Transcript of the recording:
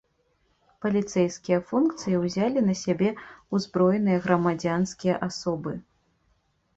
Паліцэйскія функцыі ўзялі на сябе ўзброеныя грамадзянскія асобы.